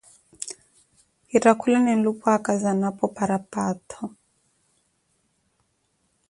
kitthakulane nlupwaaka zanapo parapaattho.